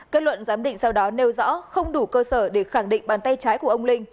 kết luận giám định sau đó nêu rõ không đủ cơ sở để khẳng định bàn tay trái của ông linh